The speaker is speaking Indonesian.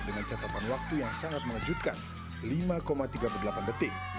dengan catatan waktu yang sangat mengejutkan lima tiga puluh delapan detik